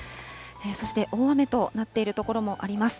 そして、大雨となっている所もあります。